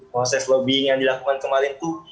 proses lobby yang dilakukan kemarin tuh